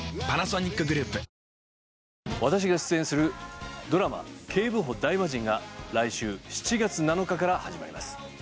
私が出演するドラマ『警部補ダイマジン』が来週７月７日から始まります。